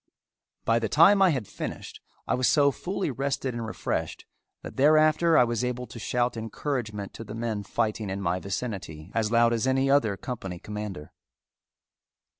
By the time I had finished I was so fully rested and refreshed that thereafter I was able to shout encouragement to the men fighting in my vicinity as loud as any other company commander.